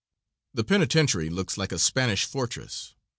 The penitentiary looks like a Spanish fortress.